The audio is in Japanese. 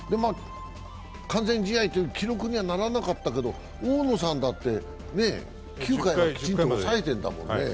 完全試合という記録にはならなかったけど、大野さんだって９回、きちっと抑えてるんだもんね。